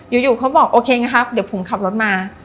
อยู่เขาบอกโอเคนะครับเดี๋ยวผมขับรถมา